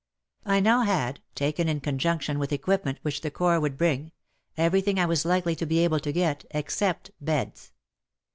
I now had — taken in conjunction with equipment which the Corps would bring — everything I was likely to be able to get, except beds.